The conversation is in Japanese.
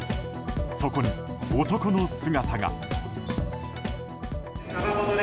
そこに男の姿が。